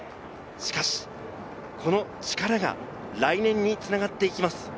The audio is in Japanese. しかし、この力が来年に繋がっていきます。